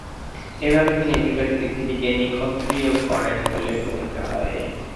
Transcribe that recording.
এভাবে তিনি একুশবার পৃথিবীকে নিঃক্ষত্রিয় করেন বলে কথিত হয়।